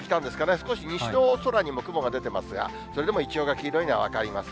少し西の空にも雲が出てますが、それでもイチョウが黄色いのは分かります。